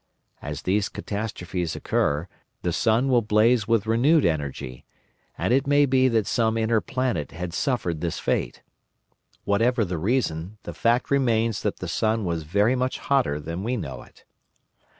As these catastrophes occur, the sun will blaze with renewed energy; and it may be that some inner planet had suffered this fate. Whatever the reason, the fact remains that the sun was very much hotter than we know it.